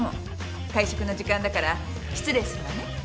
会食の時間だから失礼するわね。